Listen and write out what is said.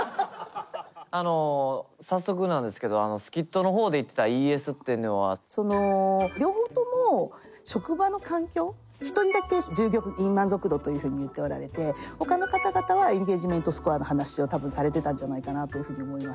あの早速なんですけどスキットの方で言ってた両方とも一人だけ従業員満足度というふうに言っておられてほかの方々はエンゲージメントスコアの話を多分されてたんじゃないかなというふうに思います。